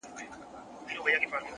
لوړ لید د واټنونو محدودیت کموي